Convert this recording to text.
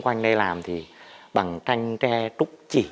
chanh tre trúc chỉ